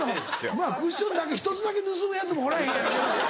まぁクッションだけ１つだけ盗むヤツもおらへんやろうけど。